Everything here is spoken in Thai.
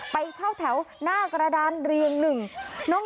ไปเข้าแถวหน้ากระดานเรียงหนึ่ง